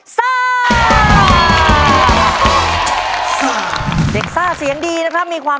โดยการแข่งขาวของทีมเด็กเสียงดีจำนวนสองทีม